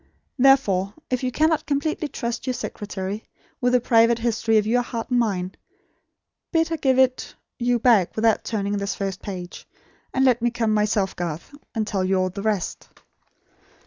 Therefore, if you cannot completely trust your secretary, with the private history of your heart and mine, bid her give it you back without turning this first page; and let me come myself, Garth, and tell you all the rest."